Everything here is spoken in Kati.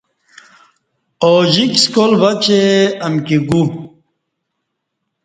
اوجِک سکال بہ چہ امکی گو